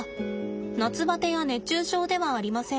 夏バテや熱中症ではありません。